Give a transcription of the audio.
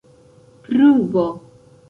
pruvo